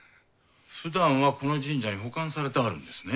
ふだんはこの神社に保管されてあるんですね？